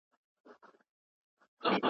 د ماشومانو سره ناست لوبې کوومه